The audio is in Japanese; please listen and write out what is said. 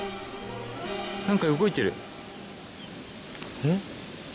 何か動いてるえっ？